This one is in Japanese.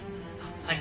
はい。